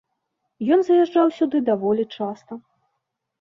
Ён заязджаў сюды даволі часта.